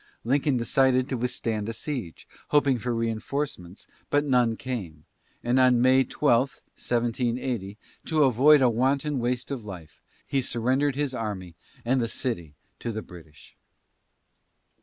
Lincoln decided to withstand a siege, hoping for reinforcements; but none came, and on May 12, 1780, to avoid a wanton waste of life, he surrendered his army and the city to the British.